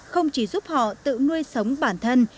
không chỉ giúp họ tự nuôi sống bản thân